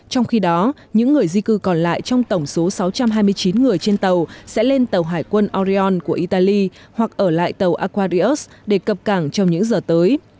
trong khi đó những người di cư còn lại trong tổng số sáu trăm hai mươi chín người trên tàu sẽ lên tàu hải quân orion của italy hoặc ở lại tàu aquarius để cập cảng trong những giờ tới